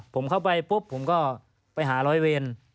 ผมเข้าไปปุ๊บผมก็ไปหาร้อยเวร